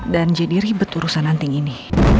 dan jadi ribet urusan nanting ini